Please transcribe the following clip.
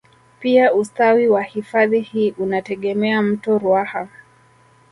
Pia ustawi wa hifadhi hii unategemea mto ruaha